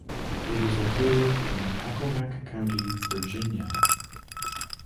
It is located in Accomack County, Virginia.